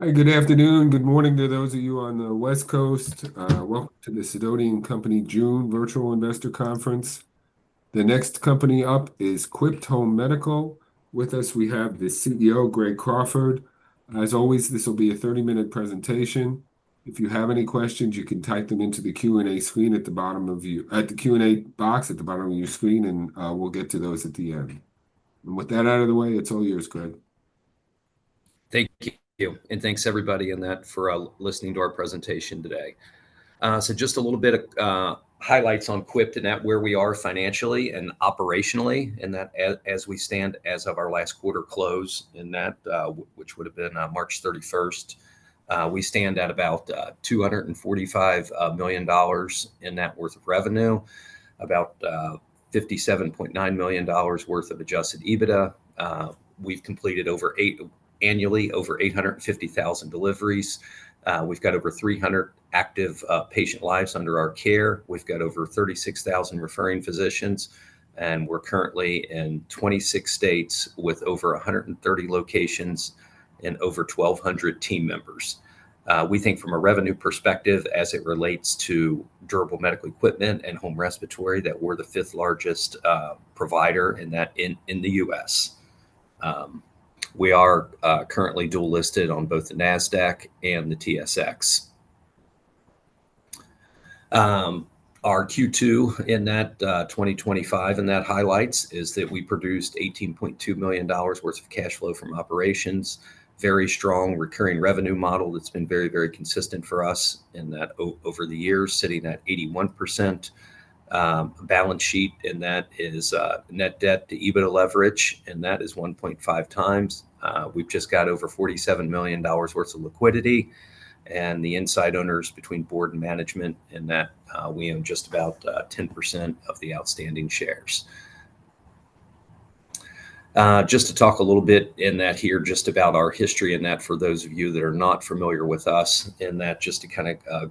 Good afternoon, good morning to those of you on the West Coast. Welcome to the Sidonian Company June Virtual Investor Conference. The next company up is Quipt Home Medical. With us, we have the CEO, Greg Crawford. As always, this will be a 30-minute presentation. If you have any questions, you can type them into the Q&A screen at the bottom of your—at the Q&A box at the bottom of your screen, and we'll get to those at the end. With that out of the way, it's all yours, Greg. Thank you. And thanks, everybody, for listening to our presentation today. Just a little bit of highlights on Quipt and where we are financially and operationally, and that as we stand as of our last quarter close in that, which would have been March 31. We stand at about $245 million in net worth of revenue, about $57.9 million worth of adjusted EBITDA. We've completed over annually over 850,000 deliveries. We've got over 300 active patient lives under our care. We've got over 36,000 referring physicians, and we're currently in 26 states with over 130 locations and over 1,200 team members. We think from a revenue perspective, as it relates to durable medical equipment and home respiratory, that we're the fifth largest provider in that in the U.S. We are currently dual-listed on both the Nasdaq and the TSX. Our Q2 in that 2025 in that highlights is that we produced $18.2 million worth of cash flow from operations, very strong recurring revenue model that's been very, very consistent for us in that over the years, sitting at 81% balance sheet, and that is net debt to EBITDA leverage, and that is 1.5 times. We've just got over $47 million worth of liquidity, and the inside owners between board and management in that we own just about 10% of the outstanding shares. Just to talk a little bit in that here, just about our history in that for those of you that are not familiar with us in that just to kind of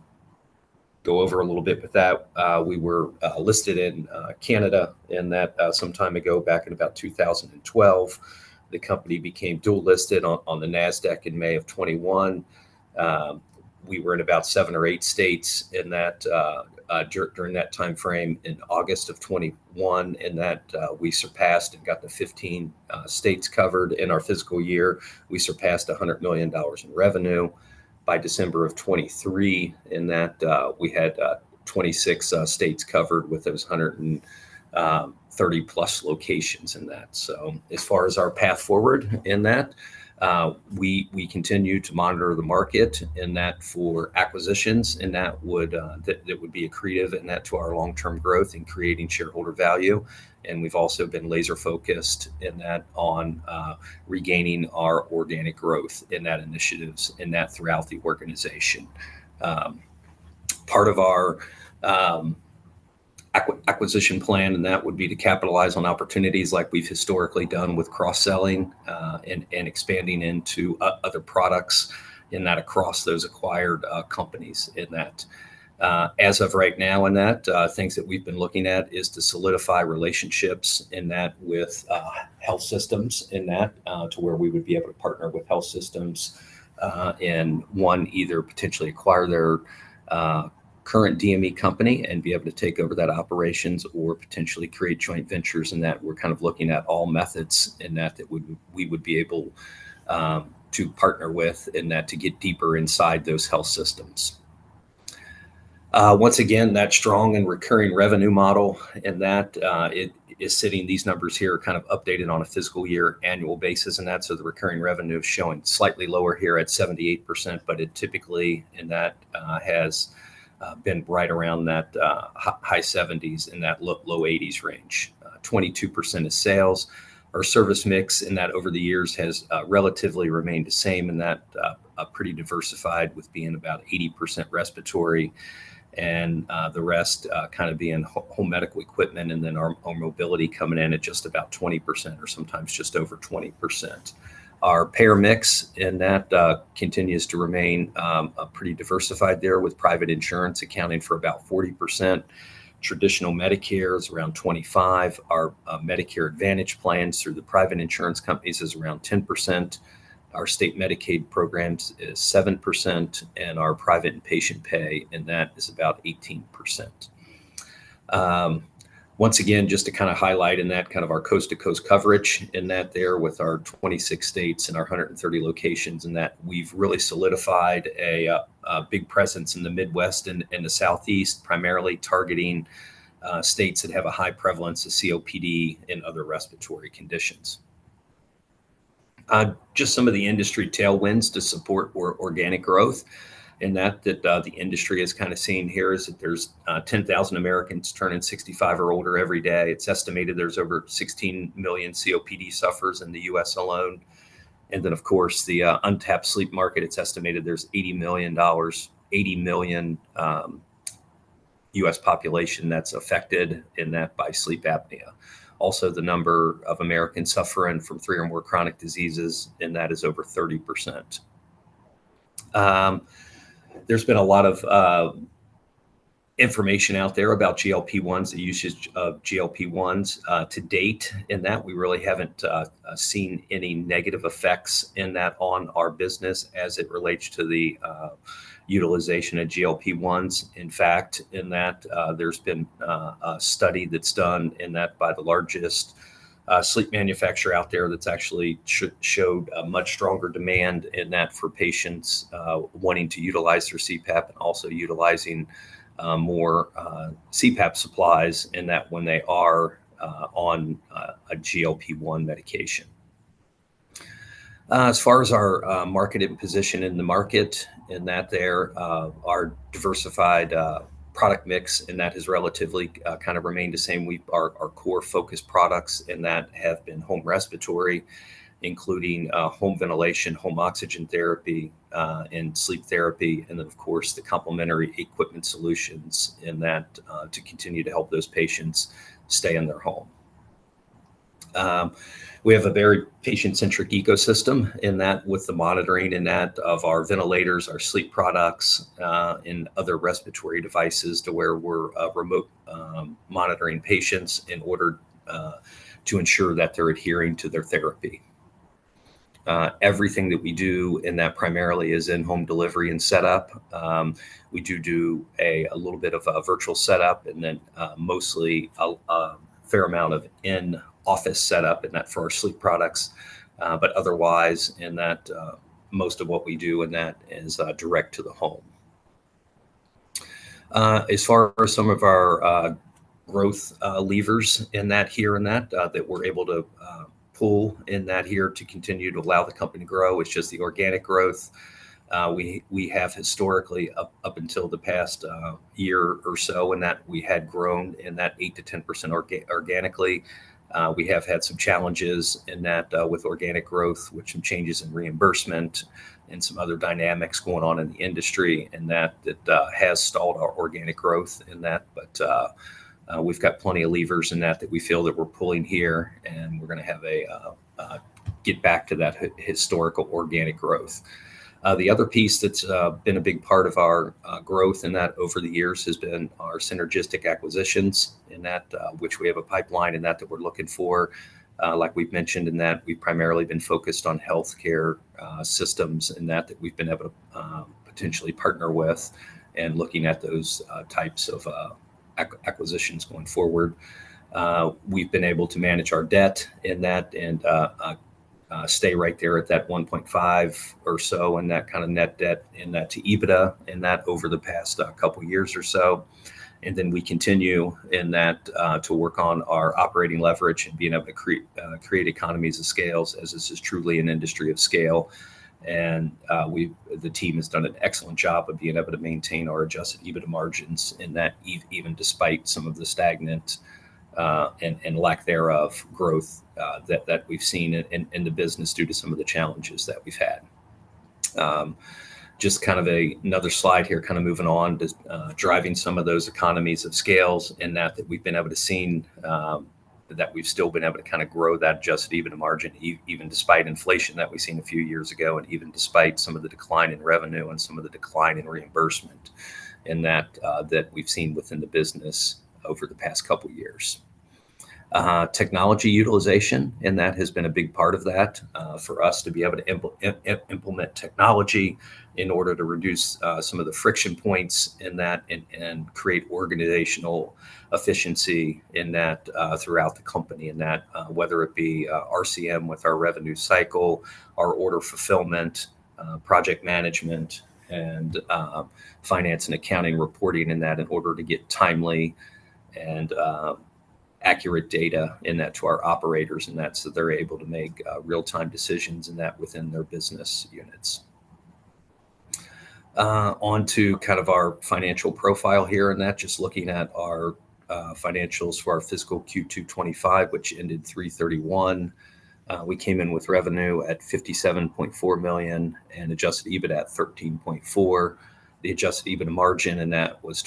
go over a little bit with that, we were listed in Canada in that some time ago back in about 2012. The company became dual-listed on the Nasdaq in May of 2021. We were in about seven or eight states during that time frame in August of 2021 in that we surpassed and got the 15 states covered in our fiscal year. We surpassed $100 million in revenue by December of 2023 in that we had 26 states covered with those 130-plus locations in that. As far as our path forward in that, we continue to monitor the market in that for acquisitions in that would be accretive in that to our long-term growth and creating shareholder value. We've also been laser-focused in that on regaining our organic growth in that initiatives in that throughout the organization. Part of our acquisition plan in that would be to capitalize on opportunities like we've historically done with cross-selling and expanding into other products in that across those acquired companies in that. As of right now, things that we've been looking at is to solidify relationships with health systems to where we would be able to partner with health systems and either potentially acquire their current DME company and be able to take over that operations or potentially create joint ventures. We're kind of looking at all methods that we would be able to partner with to get deeper inside those health systems. Once again, that strong and recurring revenue model is sitting these numbers here kind of updated on a fiscal year annual basis. The recurring revenue is showing slightly lower here at 78%, but it typically has been right around that high 70s-low 80s range. 22% of sales. Our service mix in that over the years has relatively remained the same in that pretty diversified with being about 80% respiratory and the rest kind of being home medical equipment and then our mobility coming in at just about 20% or sometimes just over 20%. Our payer mix in that continues to remain pretty diversified there with private insurance accounting for about 40%. Traditional Medicare is around 25%. Our Medicare Advantage plans through the private insurance companies is around 10%. Our state Medicaid programs is 7% and our private and patient pay in that is about 18%. Once again, just to kind of highlight in that kind of our coast-to-coast coverage in that there with our 26 states and our 130 locations in that we've really solidified a big presence in the Midwest and the Southeast, primarily targeting states that have a high prevalence of COPD and other respiratory conditions. Just some of the industry tailwinds to support organic growth in that that the industry is kind of seeing here is that there's 10,000 Americans turning 65 or older every day. It's estimated there's over 16 million COPD sufferers in the U.S. alone. Of course, the untapped sleep market, it's estimated there's 80 million U.S. population that's affected in that by sleep apnea. Also, the number of Americans suffering from three or more chronic diseases in that is over 30%. There's been a lot of information out there about GLP-1s, the usage of GLP-1s to date in that we really haven't seen any negative effects in that on our business as it relates to the utilization of GLP-1s. In fact, in that there's been a study that's done in that by the largest sleep manufacturer out there that's actually showed a much stronger demand in that for patients wanting to utilize their CPAP and also utilizing more CPAP supplies in that when they are on a GLP-1 medication. As far as our marketed position in the market in that there, our diversified product mix in that has relatively kind of remained the same. Our core focus products in that have been home respiratory, including home ventilation, home oxygen therapy, and sleep therapy, and then, of course, the complementary equipment solutions in that to continue to help those patients stay in their home. We have a very patient-centric ecosystem in that with the monitoring in that of our ventilators, our sleep products, and other respiratory devices to where we're remote monitoring patients in order to ensure that they're adhering to their therapy. Everything that we do in that primarily is in home delivery and setup. We do a little bit of a virtual setup and then mostly a fair amount of in-office setup in that for our sleep products. Otherwise, in that most of what we do in that is direct to the home. As far as some of our growth levers that we're able to pull here to continue to allow the company to grow, it's just the organic growth. We have historically up until the past year or so, we had grown 8-10% organically. We have had some challenges with organic growth, with some changes in reimbursement and some other dynamics going on in the industry that has stalled our organic growth. We've got plenty of levers that we feel that we're pulling here and we're going to get back to that historical organic growth. The other piece that's been a big part of our growth over the years has been our synergistic acquisitions, which we have a pipeline that we're looking for. Like we've mentioned, we've primarily been focused on healthcare systems that we've been able to potentially partner with and looking at those types of acquisitions going forward. We've been able to manage our debt and stay right there at that 1.5 or so net debt to EBITDA over the past couple of years or so. We continue to work on our operating leverage and being able to create economies of scale as this is truly an industry of scale. The team has done an excellent job of being able to maintain our adjusted EBITDA margins in that even despite some of the stagnant and lack thereof growth that we've seen in the business due to some of the challenges that we've had. Just kind of another slide here, kind of moving on to driving some of those economies of scale in that we've been able to see that we've still been able to kind of grow that adjusted EBITDA margin even despite inflation that we've seen a few years ago and even despite some of the decline in revenue and some of the decline in reimbursement in that we've seen within the business over the past couple of years. Technology utilization in that has been a big part of that for us to be able to implement technology in order to reduce some of the friction points in that and create organizational efficiency in that throughout the company in that whether it be RCM with our revenue cycle, our order fulfillment, project management, and finance and accounting reporting in that in order to get timely and accurate data in that to our operators in that so they're able to make real-time decisions in that within their business units. On to kind of our financial profile here in that just looking at our financials for our fiscal Q2 2025, which ended 3/31. We came in with revenue at $57.4 million and adjusted EBITDA at $13.4 million. The adjusted EBITDA margin in that was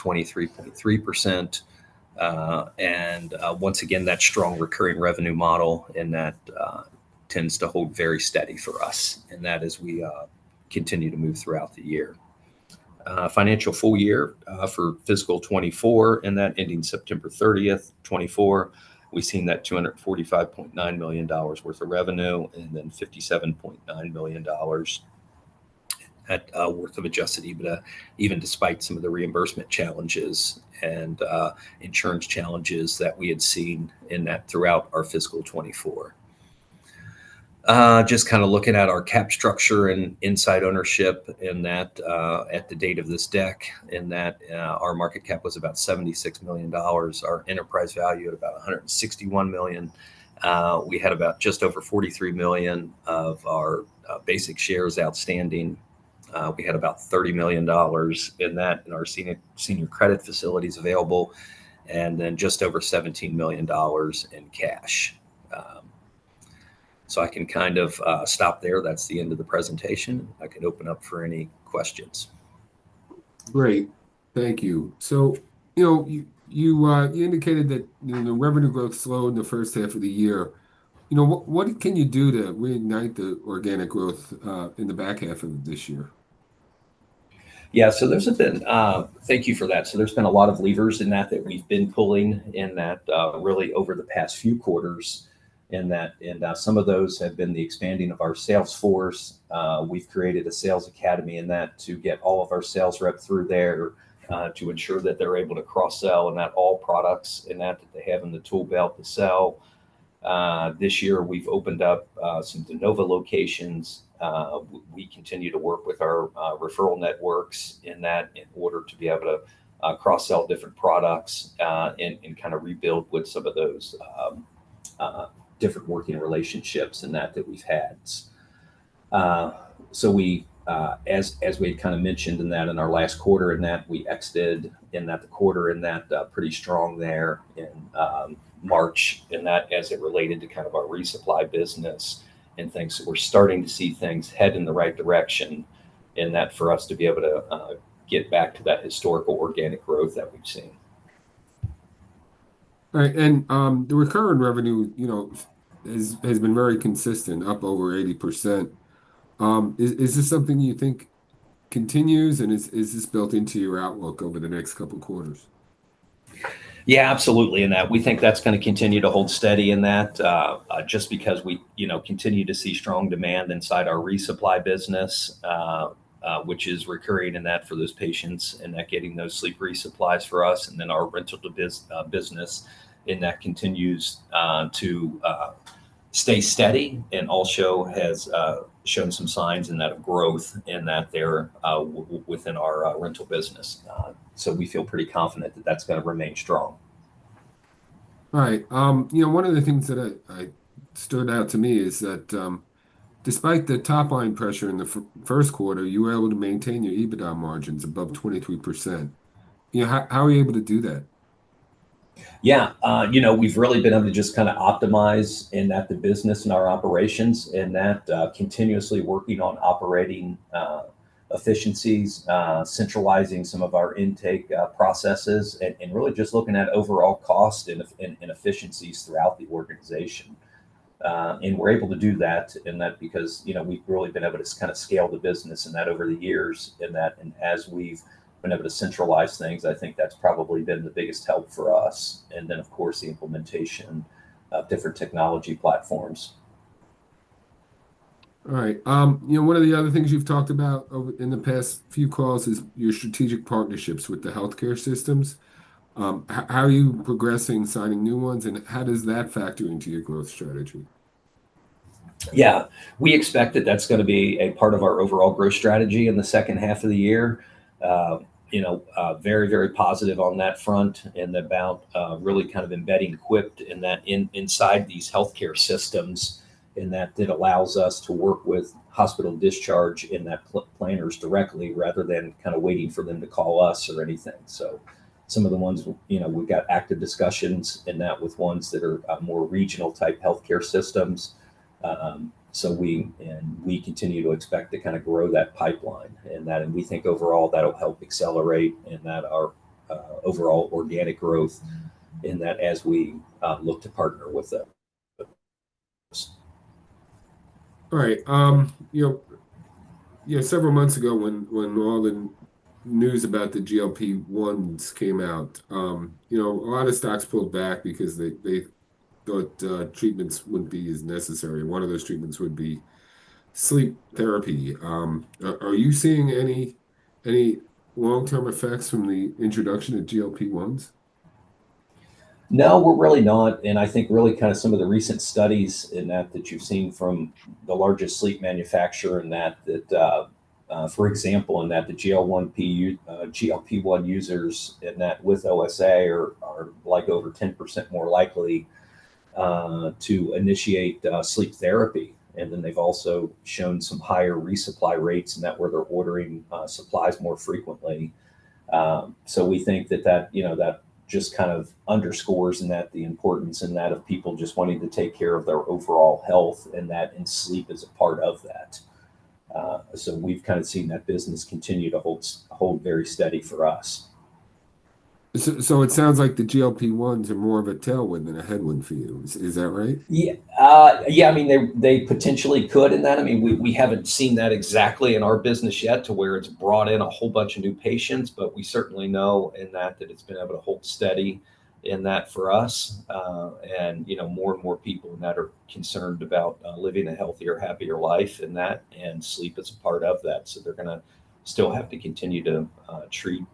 23.3%. Once again, that strong recurring revenue model tends to hold very steady for us as we continue to move throughout the year. Financial full year for fiscal 2024 ending September 30, 2024, we've seen that $245.9 million worth of revenue and then $57.9 million worth of adjusted EBITDA even despite some of the reimbursement challenges and insurance challenges that we had seen throughout our fiscal 2024. Just kind of looking at our cap structure and inside ownership, at the date of this deck, our market cap was about $76 million, our enterprise value at about $161 million. We had just over $43 million of our basic shares outstanding. We had about $30 million in our senior credit facilities available and then just over $17 million in cash. I can kind of stop there. That's the end of the presentation. I can open up for any questions. Great. Thank you. You indicated that the revenue growth slowed in the first half of the year. What can you do to reignite the organic growth in the back half of this year? Yeah. Thank you for that. There's been a lot of levers in that that we've been pulling really over the past few quarters. Some of those have been the expanding of our sales force. We've created a sales academy to get all of our sales reps through there to ensure that they're able to cross-sell all products that they have in the tool belt to sell. This year, we've opened up some Denova locations. We continue to work with our referral networks in order to be able to cross-sell different products and kind of rebuild with some of those different working relationships that we've had. As we had kind of mentioned in our last quarter, we exited the quarter pretty strong there in March as it related to our resupply business and things were starting to see things head in the right direction for us to be able to get back to that historical organic growth that we've seen. All right. The recurring revenue has been very consistent, up over 80%. Is this something you think continues and is this built into your outlook over the next couple of quarters? Yeah, absolutely. We think that's going to continue to hold steady just because we continue to see strong demand inside our resupply business, which is recurring for those patients getting those sleep resupplies for us, and then our rental business continues to stay steady and also has shown some signs of growth there within our rental business. We feel pretty confident that that's going to remain strong. All right. One of the things that stood out to me is that despite the top line pressure in the first quarter, you were able to maintain your EBITDA margins above 23%. How are you able to do that? Yeah. We've really been able to just kind of optimize the business and our operations, continuously working on operating efficiencies, centralizing some of our intake processes, and really just looking at overall cost and efficiencies throughout the organization. We're able to do that because we've really been able to just kind of scale the business over the years, and as we've been able to centralize things, I think that's probably been the biggest help for us. Of course, the implementation of different technology platforms. All right. One of the other things you've talked about in the past few calls is your strategic partnerships with the healthcare systems. How are you progressing signing new ones and how does that factor into your growth strategy? Yeah. We expect that that's going to be a part of our overall growth strategy in the second half of the year. Very, very positive on that front in that about really kind of embedding Quipt inside these healthcare systems in that it allows us to work with hospital discharge planners directly rather than kind of waiting for them to call us or anything. Some of the ones we've got active discussions in that with ones that are more regional type healthcare systems. We continue to expect to kind of grow that pipeline in that and we think overall that'll help accelerate in that our overall organic growth in that as we look to partner with them. All right. Several months ago when all the news about the GLP-1s came out, a lot of stocks pulled back because they thought treatments wouldn't be as necessary. One of those treatments would be sleep therapy. Are you seeing any long-term effects from the introduction of GLP-1s? No, we're really not. I think really kind of some of the recent studies that you've seen from the largest sleep manufacturer, for example, that the GLP-1 users with OSA are like over 10% more likely to initiate sleep therapy. They've also shown some higher resupply rates where they're ordering supplies more frequently. We think that just kind of underscores the importance of people just wanting to take care of their overall health and sleep as a part of that. We've kind of seen that business continue to hold very steady for us. It sounds like the GLP-1s are more of a tailwind than a headwind for you. Is that right? Yeah. I mean, they potentially could in that. I mean, we haven't seen that exactly in our business yet to where it's brought in a whole bunch of new patients, but we certainly know in that that it's been able to hold steady in that for us. And more and more people in that are concerned about living a healthier, happier life in that and sleep as a part of that. They're going to still have to continue to treat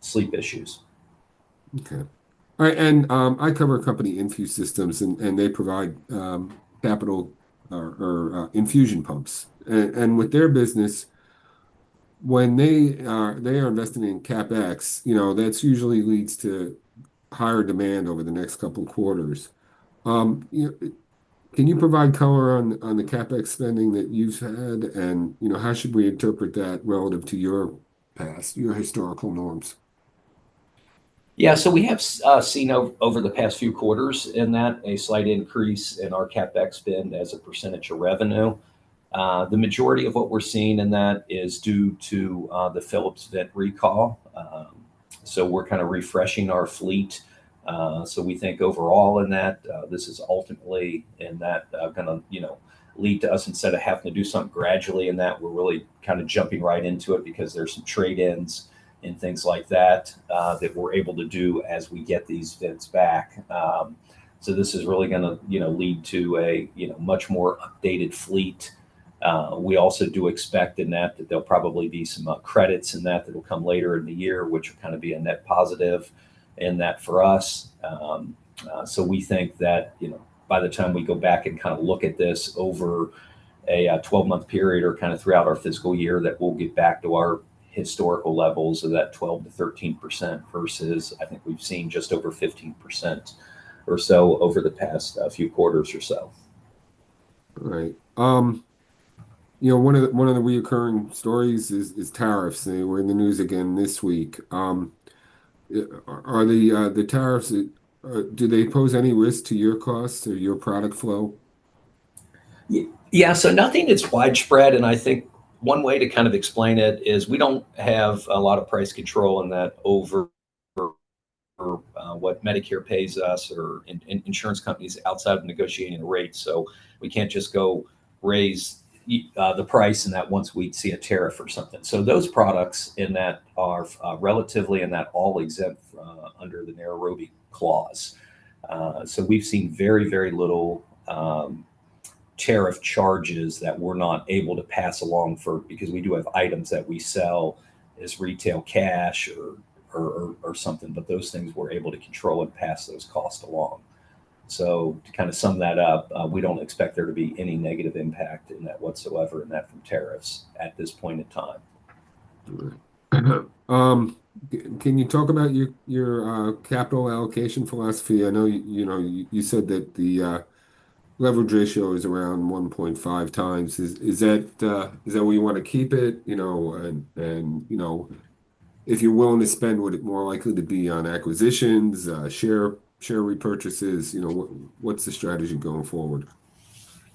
sleep issues. Okay. All right. I cover a company, Infuse Systems, and they provide capital or infusion pumps. With their business, when they are investing in CapEx, that usually leads to higher demand over the next couple of quarters. Can you provide color on the CapEx spending that you've had and how should we interpret that relative to your past, your historical norms? Yeah. So we have seen over the past few quarters a slight increase in our CapEx spend as a percentage of revenue. The majority of what we're seeing is due to the Philips vent recall. We're kind of refreshing our fleet. We think overall this is ultimately going to lead to us, instead of having to do something gradually, really kind of jumping right into it because there's some trade-ins and things like that that we're able to do as we get these vents back. This is really going to lead to a much more updated fleet. We also do expect that there'll probably be some credits that will come later in the year, which will kind of be a net positive for us. We think that by the time we go back and kind of look at this over a 12-month period or kind of throughout our fiscal year that we'll get back to our historical levels of that 12-13% versus I think we've seen just over 15% or so over the past few quarters or so. All right. One of the recurring stories is tariffs. They were in the news again this week. Are the tariffs, do they pose any risk to your costs or your product flow? Yeah. Nothing that's widespread. I think one way to kind of explain it is we don't have a lot of price control over what Medicare pays us or insurance companies outside of negotiating rates. We can't just go raise the price once we see a tariff or something. Those products are relatively all exempt under the Nairobi Clause. We've seen very, very little tariff charges that we're not able to pass along because we do have items that we sell as retail cash or something, but those things we're able to control and pass those costs along. To kind of sum that up, we don't expect there to be any negative impact whatsoever from tariffs at this point in time. All right. Can you talk about your capital allocation philosophy? I know you said that the leverage ratio is around 1.5 times. Is that where you want to keep it? If you're willing to spend, would it more likely be on acquisitions, share repurchases? What's the strategy going forward?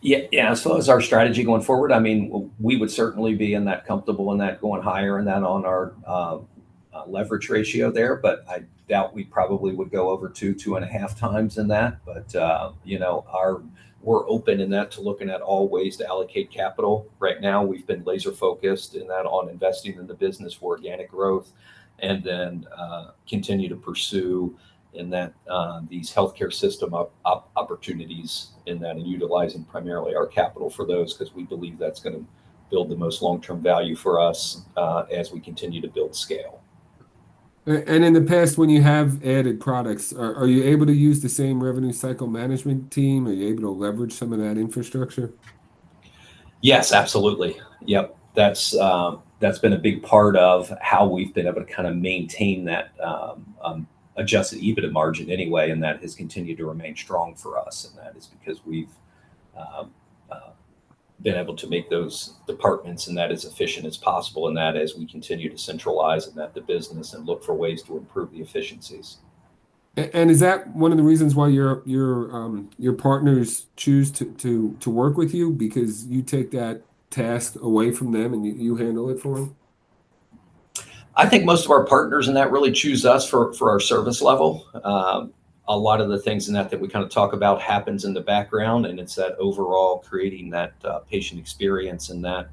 Yeah. As far as our strategy going forward, I mean, we would certainly be comfortable in that, going higher in that on our leverage ratio there, but I doubt we probably would go over two, two and a half times in that. We are open in that to looking at all ways to allocate capital. Right now, we've been laser-focused in that on investing in the business for organic growth and then continue to pursue in that these healthcare system opportunities in that and utilizing primarily our capital for those because we believe that's going to build the most long-term value for us as we continue to build scale. In the past, when you have added products, are you able to use the same revenue cycle management team? Are you able to leverage some of that infrastructure? Yes, absolutely. Yep. That's been a big part of how we've been able to kind of maintain that adjusted EBITDA margin anyway, and that has continued to remain strong for us. That is because we've been able to make those departments in that as efficient as possible in that as we continue to centralize in that the business and look for ways to improve the efficiencies. Is that one of the reasons why your partners choose to work with you because you take that task away from them and you handle it for them? I think most of our partners in that really choose us for our service level. A lot of the things in that that we kind of talk about happens in the background, and it's that overall creating that patient experience in that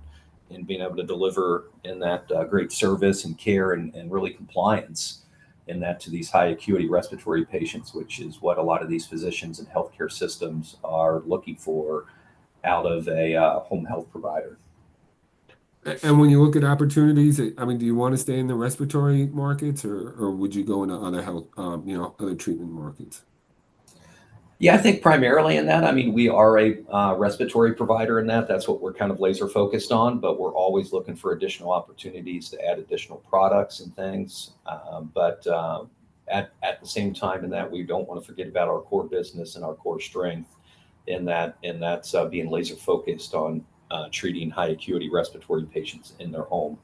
and being able to deliver in that great service and care and really compliance in that to these high acuity respiratory patients, which is what a lot of these physicians and healthcare systems are looking for out of a home health provider. When you look at opportunities, I mean, do you want to stay in the respiratory markets or would you go into other treatment markets? Yeah, I think primarily in that. I mean, we are a respiratory provider in that. That's what we're kind of laser-focused on, but we're always looking for additional opportunities to add additional products and things. At the same time in that, we don't want to forget about our core business and our core strength in that being laser-focused on treating high acuity respiratory patients in their home.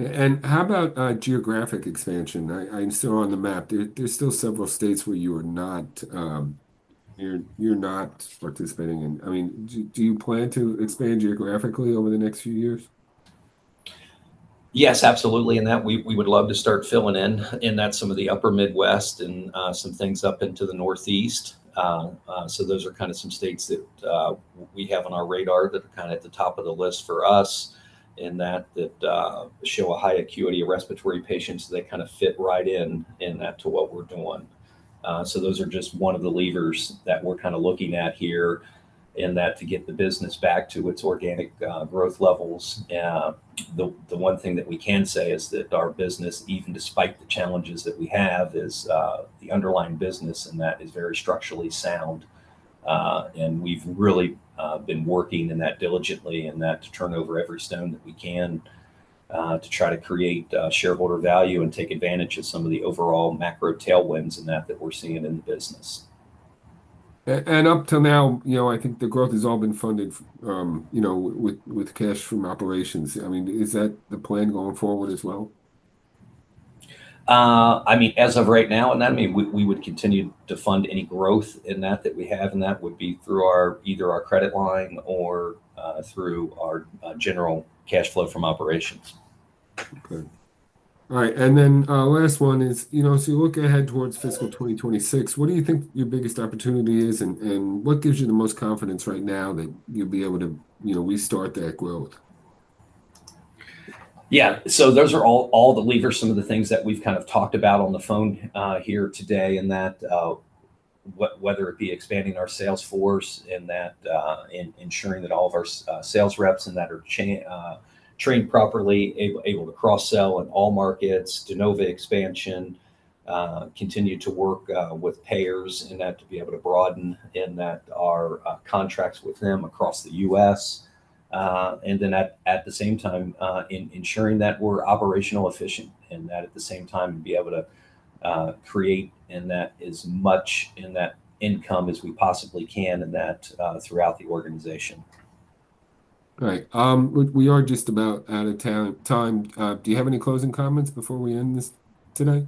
How about geographic expansion? I'm still on the map. There's still several states where you're not participating in. I mean, do you plan to expand geographically over the next few years? Yes, absolutely. We would love to start filling in some of the upper Midwest and some things up into the Northeast. Those are kind of some states that we have on our radar that are kind of at the top of the list for us that show a high acuity of respiratory patients. They kind of fit right in to what we're doing. Those are just one of the levers that we're kind of looking at here to get the business back to its organic growth levels. The one thing that we can say is that our business, even despite the challenges that we have, is the underlying business is very structurally sound. We have really been working diligently in that to turn over every stone that we can to try to create shareholder value and take advantage of some of the overall macro tailwinds that we are seeing in the business. Up to now, I think the growth has all been funded with cash from operations. I mean, is that the plan going forward as well? I mean, as of right now in that, I mean, we would continue to fund any growth in that that we have in that would be through either our credit line or through our general cash flow from operations. Okay. All right. And then last one is, as you look ahead towards fiscal 2026, what do you think your biggest opportunity is and what gives you the most confidence right now that you'll be able to restart that growth? Yeah. So those are all the levers, some of the things that we've kind of talked about on the phone here today in that whether it be expanding our sales force in that and ensuring that all of our sales reps in that are trained properly, able to cross-sell in all markets, de novo expansion, continue to work with payers in that to be able to broaden in that our contracts with them across the U.S. At the same time, ensuring that we're operational efficient in that at the same time and be able to create in that as much in that income as we possibly can in that throughout the organization. All right. We are just about out of time. Do you have any closing comments before we end this today?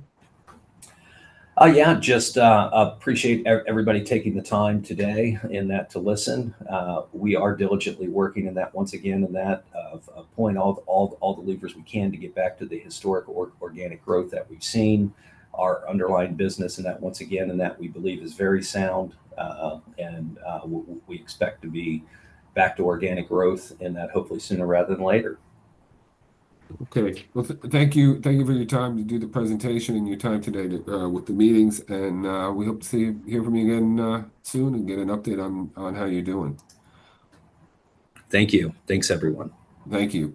Yeah. Just appreciate everybody taking the time today to listen. We are diligently working once again, pulling all the levers we can to get back to the historic organic growth that we've seen. Our underlying business, once again, we believe is very sound and we expect to be back to organic growth hopefully sooner rather than later. Okay. Thank you for your time to do the presentation and your time today with the meetings. We hope to hear from you again soon and get an update on how you're doing. Thank you. Thanks, everyone. Thank you.